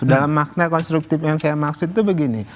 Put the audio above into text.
dalam makna konstruktif yang saya maksud itu begini